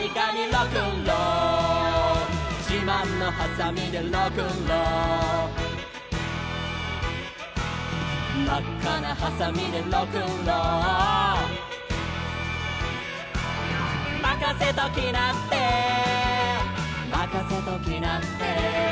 「まっかなはさみでロックンロール」「まかせときなってまかせときなって」